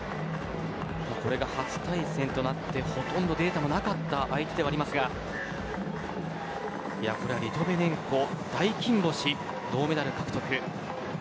これが初対戦となってほとんどデータのなかった相手ではありますがこれはリトヴェネンコ、大金星銅メダル獲得です。